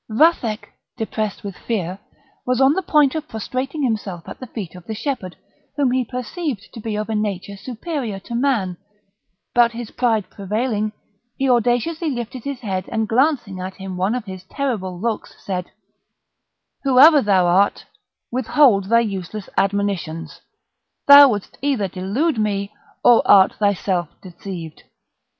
Vathek, depressed with fear, was on the point of prostrating himself at the feet of the shepherd, whom he perceived to be of a nature superior to man; but, his pride prevailing, he audaciously lifted his head, and, glancing at him one of his terrible looks, said: "Whoever thou art, withhold thy useless admonitions; thou wouldst either delude me, or art thyself deceived.